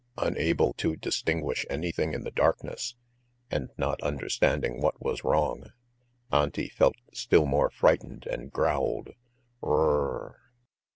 Unable to distinguish anything in the darkness, and not understanding what was wrong, Auntie felt still more frightened and growled: "R r r r.